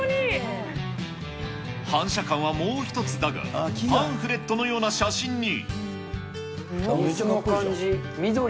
反射感はもう一つだが、パンフレットのような写真に。